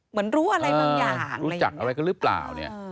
เหมือนรู้อะไรบางอย่างรู้จักอะไรกันหรือเปล่าเนี่ย